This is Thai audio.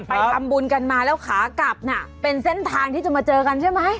ไปทำบุญกันมาแล้วขากลับน่ะเป็นเส้นทางที่จะมาเจอกันใช่ไหม